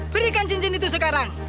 berikan cincin itu sekarang